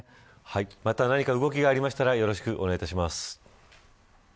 また何か動きがありましたらよろしくお願いします。